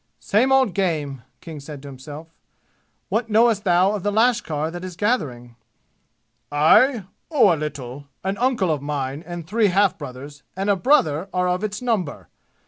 "Same old game!" said King to himself. "What knowest thou of the lashkar that is gathering?" "I? Oh, a little. An uncle of mine, and three half brothers, and a brother are of its number!